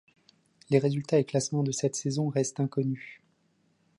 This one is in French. Les résultats et classement de cette saison restent inconnus.